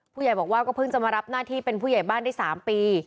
ผู้ใหญ่บอกว่าก็เพิ่งจะมารับหน้าที่เป็นผู้ใหญ่บ้านได้๓ปี